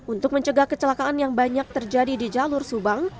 untuk mencegah kecelakaan yang banyak terjadi di jalur subang